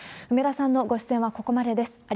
梅田さんのご出演はここまでです。